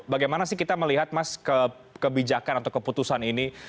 bagaimana sih kita melihat mas kebijakan atau keputusan ini